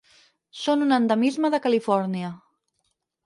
Són un endemisme de Califòrnia.